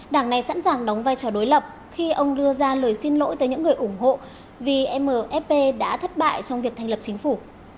đảng này sẵn sàng đóng vai trò đối lập khi ông đưa ra lời xin lỗi tới những người ủng hộ vì mfp đã thất bại trong việc thành lập chính phủ